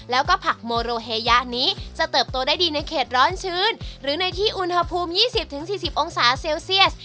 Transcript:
แล้วก็ผักโมโรเฮยะนี้จะเติบโตได้ดีในเขตร้อนชื้นหรือในที่อุณหภูมิ๒๐๔๐องศาเซลเซียส